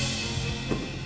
aduh ada apa lagi sih